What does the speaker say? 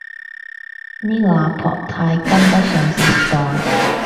呢個阿婆太跟得上時代